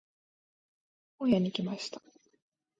本屋に行きました。